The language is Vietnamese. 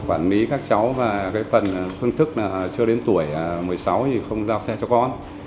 quản lý các cháu và cái phần phương thức là chưa đến tuổi một mươi sáu thì không giao xe cho con